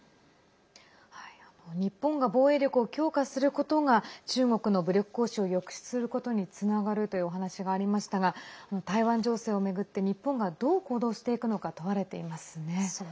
日本が防衛力を強化することが中国の武力行使を抑止することにつながるというお話がありましたが台湾情勢を巡って日本がどう行動していくのか問われていますね。